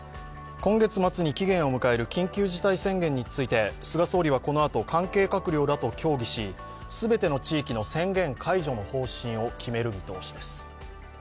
今月末に期限を迎える緊急事態宣言について菅総理はこのあと関係閣僚らと協議し全ての地域の宣言解除の方針を決める見通しです。